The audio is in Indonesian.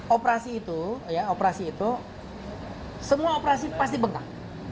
operasi itu operasi itu semua operasi pasti bengkak